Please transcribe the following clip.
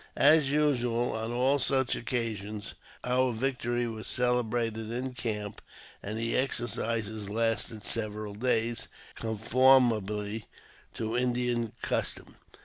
As usual on all such occasions, our victory was celebrated in camp, and the exercises lasted several days, conformably to Indian custom.